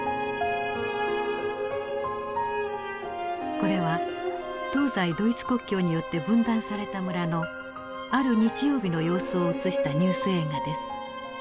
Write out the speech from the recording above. これは東西ドイツ国境によって分断された村のある日曜日の様子を映したニュース映画です。